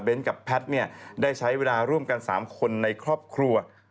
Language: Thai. กับแพทย์ได้ใช้เวลาร่วมกัน๓คนในครอบครัว